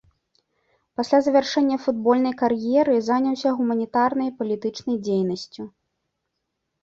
Пасля завяршэння футбольнай кар'еры заняўся гуманітарнай і палітычнай дзейнасцю.